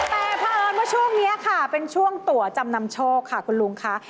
แต่เผอิญว่าช่วงนี้ค่ะเป็นช่วงตัวจำนำโชคค่ะคุณลุงค่ะ